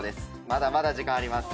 まだまだ時間あります。